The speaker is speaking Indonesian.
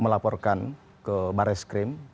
melaporkan ke barreskrim terkait dugaan